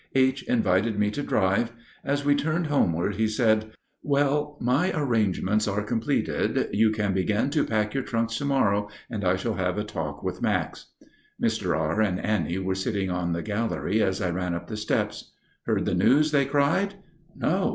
H. invited me to drive. As we turned homeward he said: "Well, my arrangements are completed. You can begin to pack your trunks to morrow, and I shall have a talk with Max." Mr. R. and Annie were sitting on the gallery as I ran up the steps. "Heard the news?" they cried. "No.